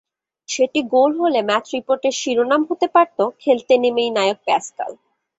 সেটি গোল হলে ম্যাচ রিপোর্টের শিরোনাম হতে পারত—খেলতে নেমেই নায়ক প্যাসকাল।